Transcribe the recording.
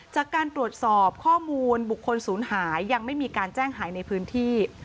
จากการตรวจสอบข้อมูลบุคคลศูนย์หายยังไม่มีการแจ้งหายในพื้นที่